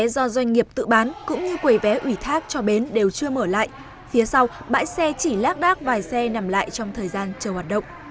do doanh nghiệp tự bán cũng như quầy vé ủy thác cho bến đều chưa mở lại phía sau bãi xe chỉ lác đác vài xe nằm lại trong thời gian chờ hoạt động